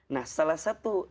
nah salah satu